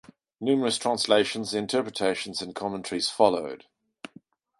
Numerous translations, interpretations and commentaries followed.